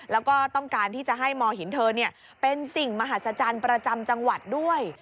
แล้วก็ต้องการที่จะให้มองเห็นเธอเป็นสิ่งมหัศจรรย์ประจำจังหวัดด้วย